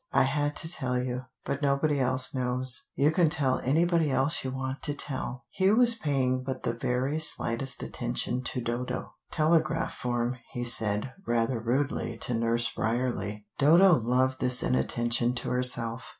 "I had to tell you. But nobody else knows. You can tell anybody else you want to tell." Hugh was paying but the very slightest attention to Dodo. "Telegraph form," he said rather rudely to Nurse Bryerley. Dodo loved this inattention to herself.